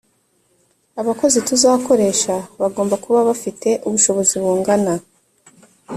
abakozi tuzakoresha bagomba kuba bafite ubushobozi bungana